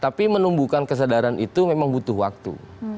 tapi menumbuhkan kesadaran itu memang butuh waktu